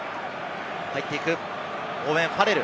入っていく、オーウェン・ファレル！